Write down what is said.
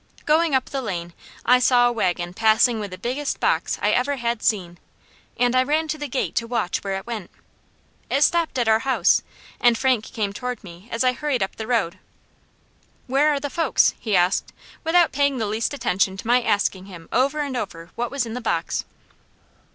Going up the lane I saw a wagon passing with the biggest box I ever had seen, and I ran to the gate to watch where it went. It stopped at our house and Frank came toward me as I hurried up the road. "Where are the folks?" he asked, without paying the least attention to my asking him over and over what was in the box.